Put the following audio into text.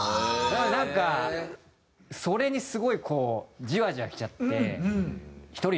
だからなんかそれにすごいこうジワジワきちゃって。